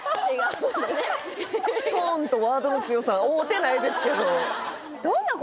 トーンとワードの強さが合うてないですけど